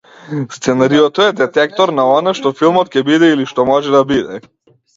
Сценариото е детектор на она што филмот ќе биде или што може да биде.